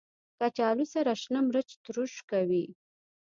کچالو سره شنه مرچ تروش کوي